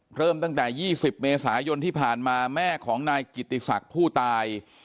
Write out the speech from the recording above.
เริ่มตั้งแต่๒๐เมษายนที่ผ่านมาแม่ของนายกิติศักดิ์ผู้ตาย